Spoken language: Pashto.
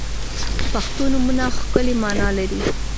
• پښتو نومونه ښکلی معنا لري.